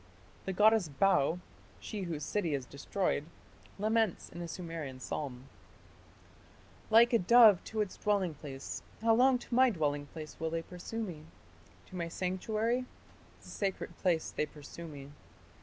The goddess Bau, "she whose city is destroyed", laments in a Sumerian psalm: Like a dove to its dwelling place, how long to my dwelling place will they pursue me, To my sanctuary ... the sacred place they pursue me....